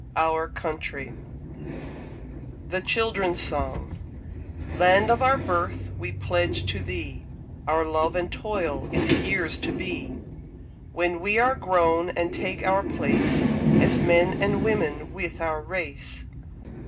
FOURTH READER THE CHILDREN'S SONG Land of our Birth, we pledge to thee Our love and toil in the years to be, When we are grown and take our place, As men and women with our race.